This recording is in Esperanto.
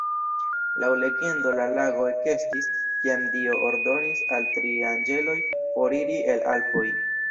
Laŭ legendo la lago ekestis, kiam Dio ordonis al tri anĝeloj foriri el Alpoj.